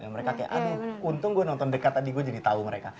mereka kayak aduh untung gue nonton dekat tadi gue jadi tau mereka